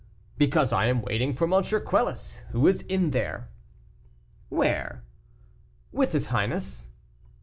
"Because I am waiting for M. Quelus, who is in there." "Where?" "With his highness."